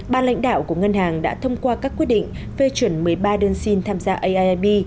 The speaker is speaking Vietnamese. ba lãnh đạo của ngân hàng đã thông qua các quyết định phê chuẩn một mươi ba đơn xin tham gia aib